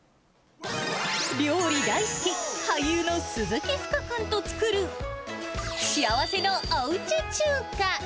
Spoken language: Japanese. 料理大好き、俳優の鈴木福君と作る幸せのおうち中華。